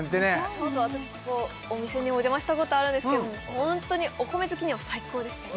ちょっと私ここお店にお邪魔したことあるんですけども本当にお米好きには最高でしたよ